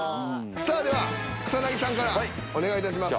さあでは草さんからお願いいたします。